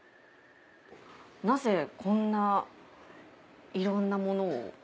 なぜこんないろんなものを？